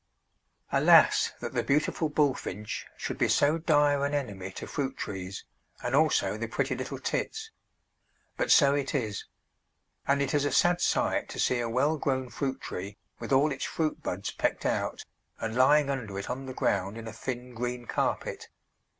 Alas that the beautiful bullfinch should be so dire an enemy to fruit trees, and also the pretty little tits! but so it is; and it is a sad sight to see a well grown fruit tree with all its fruit buds pecked out and lying under it on the ground in a thin green carpet.